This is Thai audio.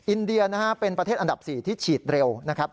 อินเดียนะฮะเป็นประเทศอันดับ๔ที่ฉีดเร็วนะครับ